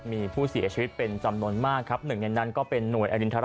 มีผู้เสียชีวิตเป็นจำนวนมากครับหนึ่งในนั้นก็เป็นหน่วยอรินทรา